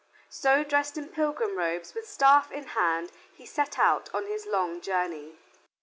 So, dressed in pilgrim robes, with staff in hand he set out on his long journey.